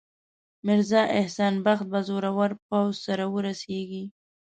میرزا احسان بخت به زورور پوځ سره ورسیږي.